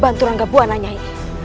bantu rangga bua nanya ini